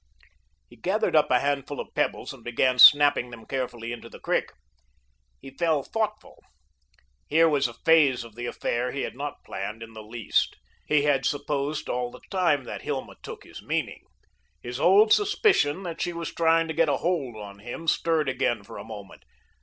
He gathered up a handful of pebbles and began snapping them carefully into the creek. He fell thoughtful. Here was a phase of the affair he had not planned in the least. He had supposed all the time that Hilma took his meaning. His old suspicion that she was trying to get a hold on him stirred again for a moment.